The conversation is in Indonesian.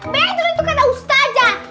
bener tuh kata ustazah